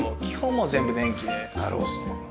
もう全部電気で過ごしていますね。